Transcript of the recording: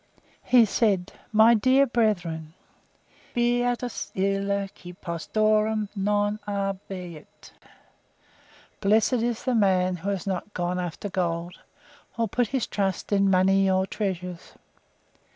He said: "My dear brethren' 'Beatus ille qui post aurum non abiit'. Blessed is the man who has not gone after gold, nor put his trust in money or treasures.